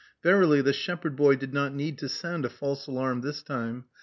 Verily, the shepherd boy did not need to sound a false alarm this time.